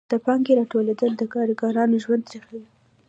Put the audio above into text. د پانګې راټولېدل د کارګرانو ژوند تریخوي